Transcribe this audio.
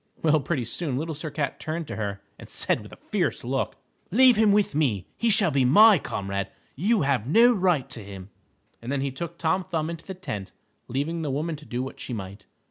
Well, pretty soon Little Sir Cat turned to her and said with a fierce look, "Leave him with me. He shall be my comrade. You have no right to him," and then he took Tom Thumb into the tent, leaving the woman to do what she might.